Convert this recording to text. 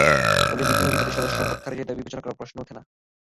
ফলে বিধি অনুযায়ী তাঁদের সদস্যপদ খারিজের দাবি বিবেচনা করার প্রশ্ন ওঠে না।